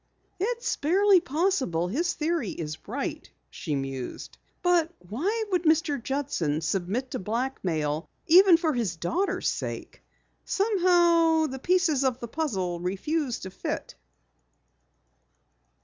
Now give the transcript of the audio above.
"It's barely possible his theory is right," she mused. "But why should Mr. Judson submit to blackmail even for his daughter's sake? Somehow the pieces of the puzzle refuse to fit."